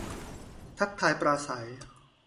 ทักทายปราศรัย